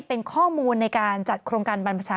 เป็นข้อมูลในการจัดโครงการบรรพชา